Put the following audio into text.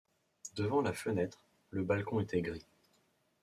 Devant la fenêtre, le balcon était gris.